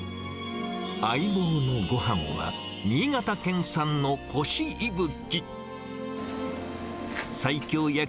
相棒のごはんは、新潟県産のこしいぶき。